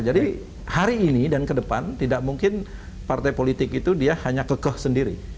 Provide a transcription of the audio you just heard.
jadi hari ini dan kedepan tidak mungkin partai politik itu dia hanya kekeh sendiri